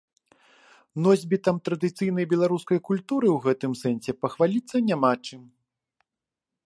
Носьбітам традыцыйнай беларускай культуры ў гэтым сэнсе пахваліцца няма чым.